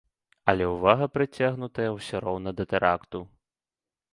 Але ўвага прыцягнутая ўсё роўна да тэракту.